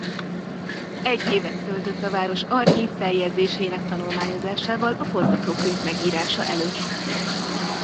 Egy évet töltött a város archív feljegyzéseinek tanulmányozásával a forgatókönyv megírása előtt.